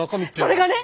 それがね！